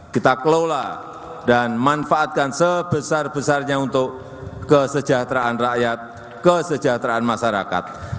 kita kelola dan manfaatkan sebesar besarnya untuk kesejahteraan rakyat kesejahteraan masyarakat